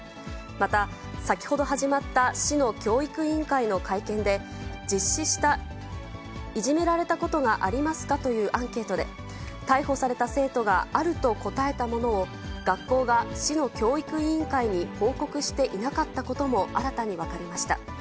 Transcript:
また先ほど始まった市の教育委員会の会見で、実施したいじめられたことがありますかというアンケートで、逮捕された生徒があると答えたものを、学校が市の教育委員会に報告していなかったことも新たに分かりました。